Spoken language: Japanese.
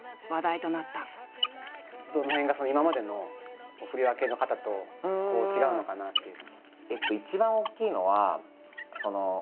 どの辺が今までの振り分け方と違うのかなっていうのは。